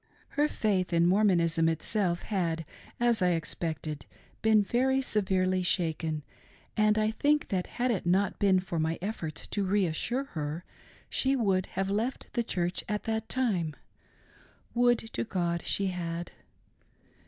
Her faith in Mormonism itself had, as I expected, been very severely shaken, and I think that had it not been for my efforts to re assure her, she would have left the Church at that time. Would, to God, she had.